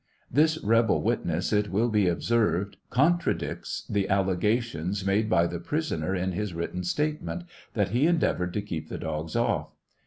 This rebel witness, it will be observed, contradicts the allegation made by the prisoner in his written statement, that he endeavored to keep the dogs off.